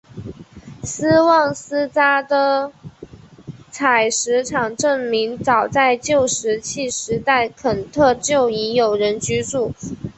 斯旺斯扎的采石场证明早在旧石器时代肯特就已有人居住。